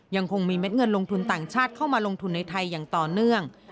ยังคงมีเม็ดเงินลงทุนต่างชาติเข้ามาลงทุนในไทยอย่างต่อเนื่อง